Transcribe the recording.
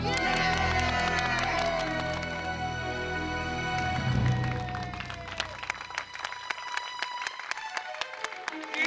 sobat petugas seni